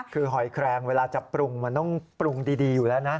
คือหอยแครงเวลาจะปรุงมันต้องปรุงดีอยู่แล้วนะ